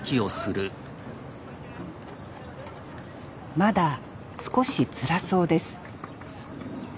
まだ少しつらそうです